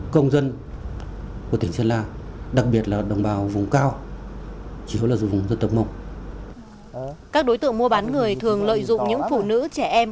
các đối tượng mua bán người thường lợi dụng những phụ nữ trẻ em